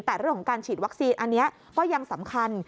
แต่เรื่องชีดวัคซีนก็ยังสำคัญ